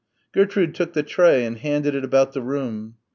Gertrude took the tray and handed it about the room.